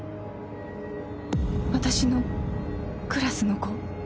私のクラスの子？